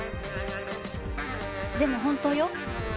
でも本当よ。